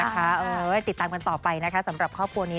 เนอะนะคะเออเราติดตามกันต่อไปนะคะสำหรับครอบครัวนี้